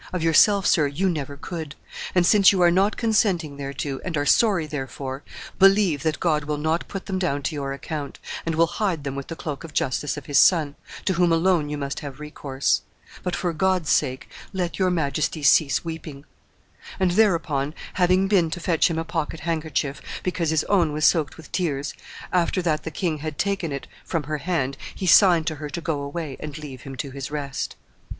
Of yourself, sir, you never could; and since you are not consenting thereto, and are sorry therefor, believe that God will not put them down to your account, and will hide them with the cloak of justice of His Son, to whom alone you must have recourse. But for God's sake, let your Majesty cease weeping!' And thereupon, having been to fetch him a pocket handkerchief, because his own was soaked with tears, after that the king had taken it from her hand, he signed to her to go away and leave him to his rest."